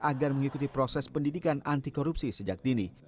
agar mengikuti proses pendidikan anti korupsi sejak dini